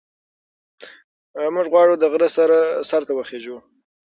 موږ غواړو چې د غره سر ته وخېژو.